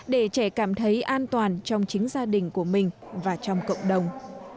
để trẻ cảm thấy an toàn trong chính gia đình của mình và trong cộng đồng